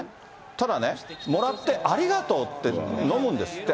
ただね、もらってありがとうって飲むんですって。